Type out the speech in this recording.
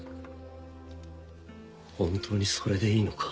本当にそれでいいのか？